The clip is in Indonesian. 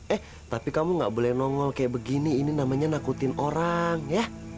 eh tapi kamu gak boleh nongol kayak begini ini namanya nakutin orang ya